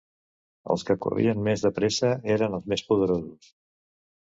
Els que corrien més de pressa eren els més poderosos.